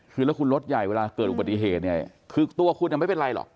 คือแล้วคุณรถใหญ่เวลาเกิดอุบัติเหตุเนี่ยคือตัวคุณไม่เป็นไรหรอก